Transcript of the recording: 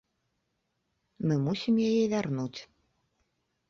Мы мусім яе вярнуць.